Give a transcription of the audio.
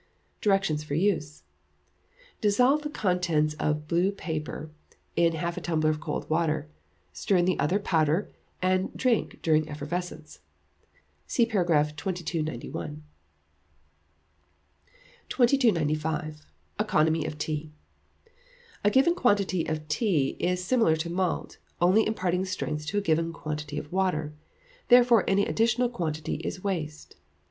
Directions for Use. Dissolve the contents of blue paper in half a tumbler of cold water, stir in the other powder, and drink during effervescence. (See par. 2291.) 2295. Economy of Tea. A given quantity of tea is similar to malt only imparting strength to a given quantity of water, therefore any additional quantity is waste.